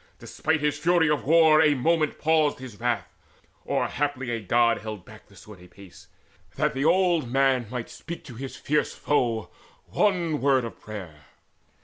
Despite his fury of war, A moment paused his wrath, or haply a God Held back the sword a space, that that old man Might speak to his fierce foe one word of prayer.